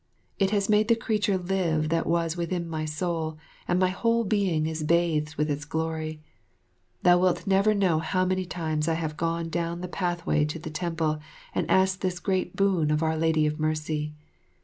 It has made the creature live that was within my soul, and my whole being is bathed with its glory. Thou wilt never know how many times I have gone down the pathway to the temple and asked this great boon of our Lady of Mercy.